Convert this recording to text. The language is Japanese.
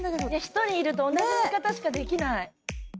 １人いると同じ見方しかできない。